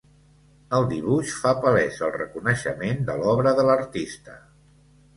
El dibuix fa palès el reconeixement de l'obra de l'artista.